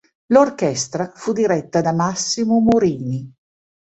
L'orchestra fu diretta da Massimo Morini.